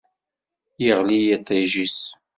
Iɣli yiṭij-is.